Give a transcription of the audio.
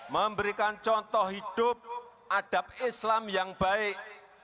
memberikan contoh hidup adab islam yang baik